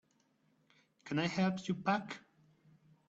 Can I help you pack?